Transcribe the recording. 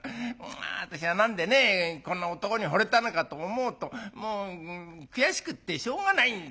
私は何でねこんな男にほれたのかと思うともう悔しくってしょうがないんだよ。